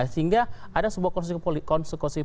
sehingga ada sebuah konsekuensi